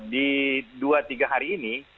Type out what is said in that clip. di dua tiga hari ini